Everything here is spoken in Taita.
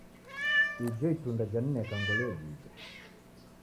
Ijo itunda janineka ngolo yejija.